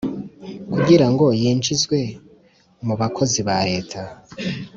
kugirango yinjizweb mubakozi bareta